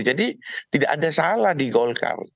jadi tidak ada salah di golkar